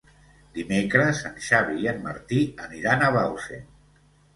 Dimecres en Xavi i en Martí aniran a Bausen.